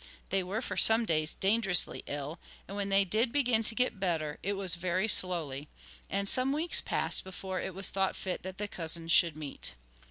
They were for some days dangerously ill, and when they did begin to get better, it was very slowly, and some weeks passed before it was thought fit that the cousins should meet.